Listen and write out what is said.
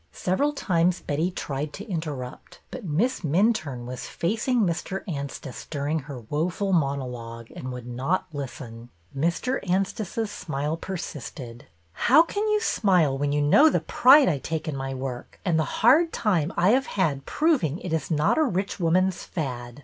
Several times Betty tried to interrupt, but Miss Minturne was facing Mr. Anstice during her woeful monologue, and would not listen. Mr. Anstice's smile persisted. " How can you smile when you know the pride I take in my work and the hard time I have had proving it is not a rich woman's fad